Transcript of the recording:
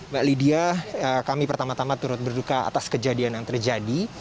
mbak lydia kami pertama tama turut berduka atas kejadian yang terjadi